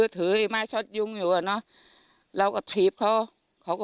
ตยุงตีเข้า